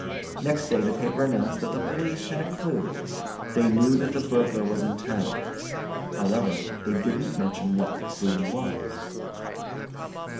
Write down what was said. Next day the paper announced that the police had a clew they knew that the burglar was in town. However, they didn't mention what the clew was.